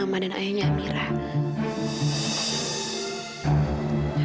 mama dan ayahnya amirah